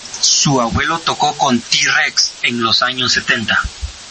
Su abuelo toco con T. Rex en los años setenta.